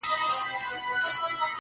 گراني شاعري دغه واوره ته